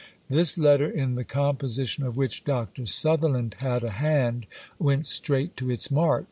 This letter, in the composition of which Dr. Sutherland had a hand, went straight to its mark.